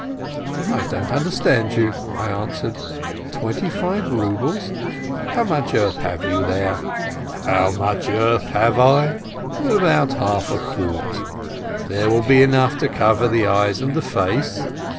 "I don't understand you," I answered. "Twenty five rubles ! How much earth have you there ?" "How much earth have I ? About half a quart. There will be enough to cover the eyes and the face.